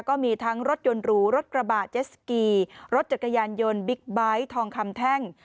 ก็มีทั้งรถยนต์หรูรถกระบะเจสสกีรถจักรยานยนต์บิ๊กไบท์ทองคำแท่ง